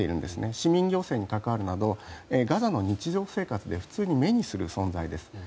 市民行政に関わるなどガザの日常生活で普通に目にする存在です。